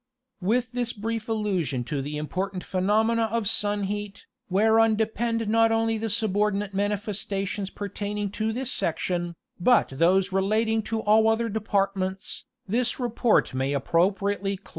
With this brief allusion to the important phenomena of sun heat, whereon depend not only the subordinate manifestations pertaining to this section, but those relating to all other depart ments, this report may appropriately close.